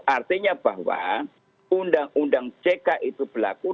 artinya bahwa undang undang ck itu berlaku